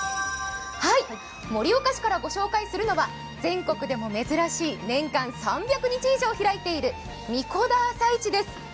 盛岡市から御紹介するのは全国でも珍しい、年間３００日以上開いている神子田朝市です。